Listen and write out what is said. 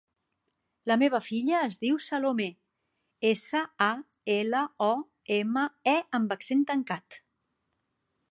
La meva filla es diu Salomé: essa, a, ela, o, ema, e amb accent tancat.